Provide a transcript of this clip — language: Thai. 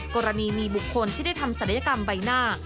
กรณีมีบุคคลที่ได้ทำศัลยกรรมใบหน้า